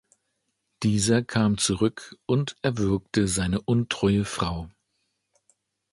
Dieser kam zurück und erwürgte seine untreue Frau.